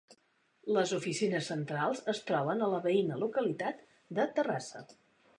Les oficines centrals es troben a la veïna localitat de Terrassa.